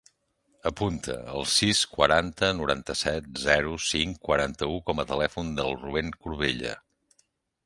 Apunta el sis, quaranta, noranta-set, zero, cinc, quaranta-u com a telèfon del Rubèn Corbella.